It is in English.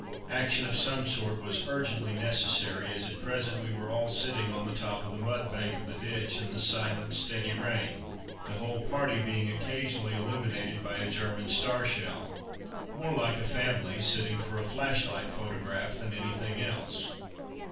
Action of some sort was urgently necessary, as at present we were all sitting on the top of the mud bank of the ditch in the silent, steady rain, the whole party being occasionally illuminated by a German star shell more like a family sitting for a flashlight photograph than anything else.